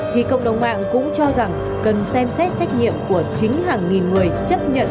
thì cộng đồng mạng cũng cho rằng cần xem xét trách nhiệm của chính hàng nghìn người chấp nhận